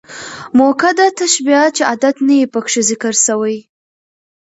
مؤکده تشبيه، چي ادات نه يي پکښي ذکر سوي.